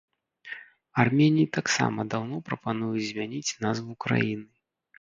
Арменіі таксама даўно прапануюць змяніць назву краіны.